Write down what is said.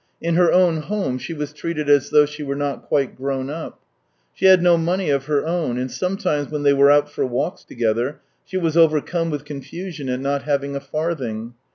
In her own home she was treated as though she were not quite grown up. She had no money of her own, and sometimes when they were out for walks together, she was overcome with confusion at not having a farthing.